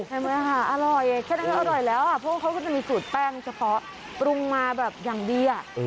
ใช่ไหมคะอร่อยแค่นั้นก็อร่อยแล้วอ่ะเพราะว่าเขาก็จะมีสูตรแป้งเฉพาะปรุงมาแบบอย่างดีอ่ะ